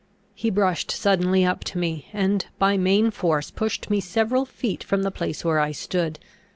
He brushed suddenly up to me, and by main force pushed me several feet from the place where I stood.